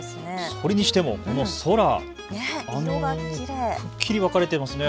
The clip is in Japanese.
それにしても、この空、くっきり分かれていますね。